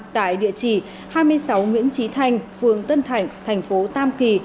tại địa chỉ hai mươi sáu nguyễn trí thành phường tân thành thành phố tam kỳ